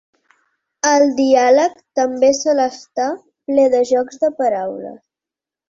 El diàleg també sol estar ple de jocs de paraules.